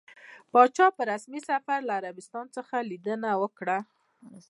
پاچا په رسمي سفر له عربستان څخه ليدنه وکړه.